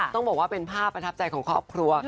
ต้องบอกว่าเป็นภาพประทับใจของครอบครัว